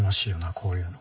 こういうの。